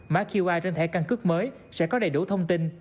má qi trên thẻ căn cước mới sẽ có đầy đủ thông tin